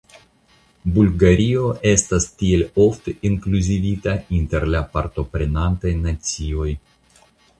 Bulgario estas tiel ofte inkluzivita inter la partoprenantaj nacioj.